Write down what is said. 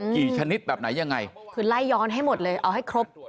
ชนิดแบบไหนยังไงคือไล่ย้อนให้หมดเลยเอาให้ครบ